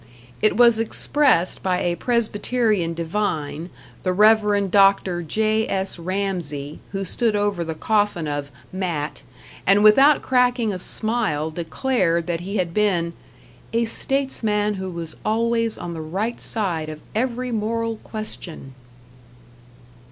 It was expressed by a Presbyterian divine, the Reverend Dr. J.S. Ramsey, who stood over the coffin of "Matt", and without cracking a smile declared that he had been "a statesman who was always on the right side of every moral question!"